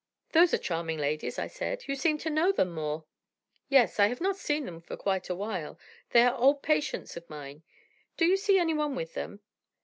"Those are charming ladies," I said. "You seem to know them, Moore?" "Yes, I have not seen them for quite a while; they are old patients of mine. Do you see any one with them?